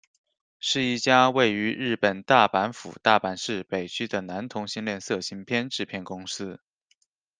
是一家位于日本大阪府大阪市北区的男同性恋色情片制片公司。